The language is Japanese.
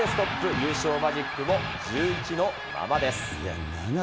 優勝マジックも１１のままです。